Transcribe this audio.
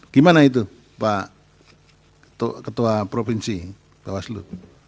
gimana itu pak ketua provinsi bawaslu